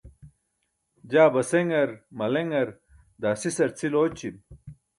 jaa baseṅar, maleṅar, daa sisar cʰil ooćim